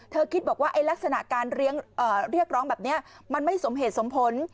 คิดบอกว่าลักษณะการเรียกร้องแบบนี้มันไม่สมเหตุสมผล